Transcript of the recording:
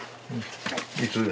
いつ？